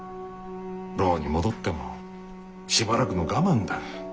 牢に戻ってもしばらくの我慢だ。